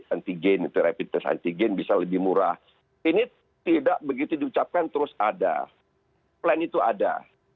antigen itu rapid test antigen bisa lebih murah ini tidak begitu diucapkan terus ada plan itu ada